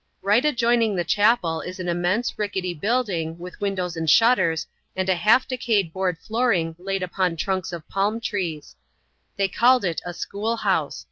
IBight ac^oining the chapel is an immense, rickety building, with windows and shutters, and a hsJf decayed board flooring laid upon trunks of palm trees. They called it a school house.